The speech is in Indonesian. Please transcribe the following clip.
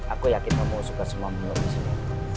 aku yakin kamu mau suka semua menu disini